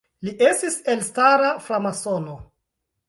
Li estis elstara framasono.